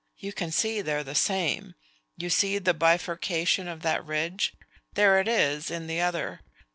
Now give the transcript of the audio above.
"You can see they're the same. You see the bifurcation of that ridge. There it is in the other.